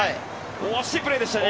惜しいプレーでしたね。